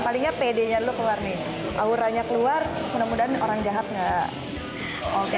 ya palingnya pedenya dulu keluar nih auranya keluar mudah mudahan orang jahat gak